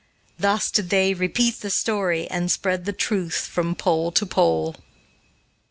Thus did they "repeat the story, and spread the truth from pole to pole."